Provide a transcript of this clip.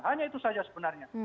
hanya itu saja sebenarnya